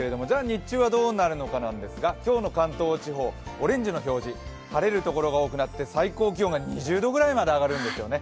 日中はどうなるのかなんですが今日の関東地方オレンジの表示、晴れるところが多くなって、最高気温が２０度くらいまで上がるんですよね。